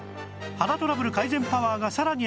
肌トラブル改善パワーがさらにアップ